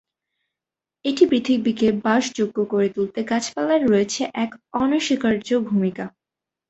এই পৃথিবীকে বাসযোগ্য করে তুলতে গাছপালার রয়েছে এক অনস্বীকার্য ভূমিকা।